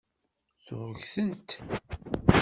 Tuɣ ggtent.